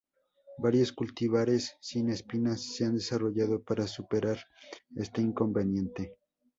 Varios cultivares sin espinas se han desarrollado para superar este inconveniente.